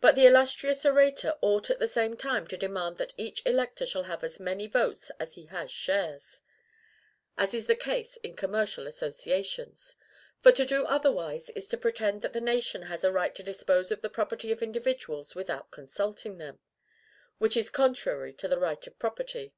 But the illustrious orator ought at the same time to demand that each elector shall have as many votes as he has shares; as is the case in commercial associations. For to do otherwise is to pretend that the nation has a right to dispose of the property of individuals without consulting them; which is contrary to the right of property.